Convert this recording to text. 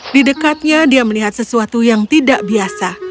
di dekatnya dia melihat sesuatu yang tidak biasa